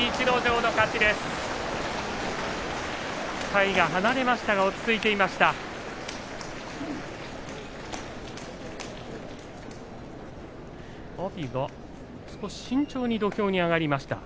体が離れましたが落ち着いていました。